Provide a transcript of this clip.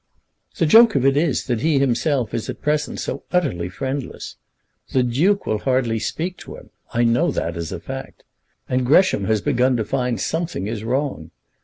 "The joke of it is, that he himself is at present so utterly friendless. The Duke will hardly speak to him. I know that as a fact. And Gresham has begun to find something is wrong.